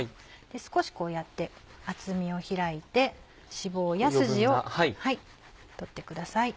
少しこうやって厚みを開いて脂肪やスジを取ってください。